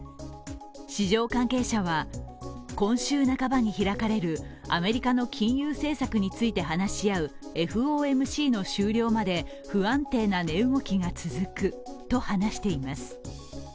市場関係者は今週半ばに開かれるアメリカの金融政策について話し合うＦＯＭＣの終了まで不安定な値動きが続くと話しています。